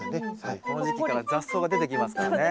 この時期から雑草が出てきますからね。